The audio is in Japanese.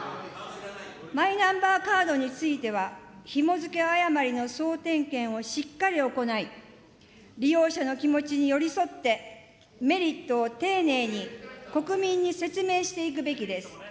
マイナンバーカードについては、ひも付け誤りの総点検をしっかり行い、利用者の気持ちに寄り添って、メリットを丁寧に、国民に説明していくべきです。